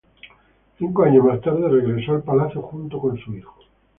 Cinco años más tarde, regresó al Palacio junto con su hijo.